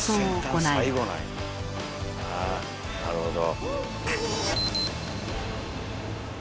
あなるほど。